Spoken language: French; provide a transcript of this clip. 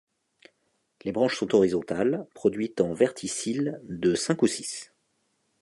Les branches sont horizontales, produites en verticilles de cinq ou six.